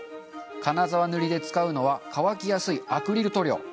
金沢塗りで使うのは乾きやすいアクリル塗料。